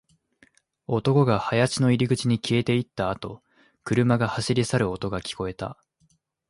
男が林の入り口に消えていったあと、車が走り去る音が聞こえた